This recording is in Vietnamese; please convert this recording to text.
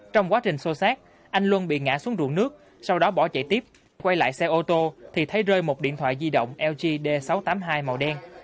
trong quá trình xô xát anh luân bị ngã xuống rượu nước sau đó bỏ chạy tiếp quay lại xe ô tô thì thấy rơi một điện thoại di động lg d sáu trăm tám mươi hai màu đen